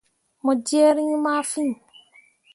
Mo jerre rĩĩ ma fîi.